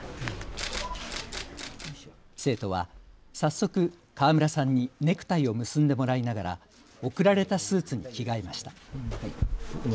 生徒は早速、河村さんにネクタイを結んでもらいながら贈られたスーツに着替えました。